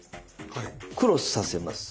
ここクロスさせます。